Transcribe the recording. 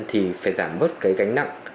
thì phải giảm bớt gánh nặng